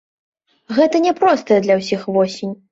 Гэта няпростая для ўсіх восень.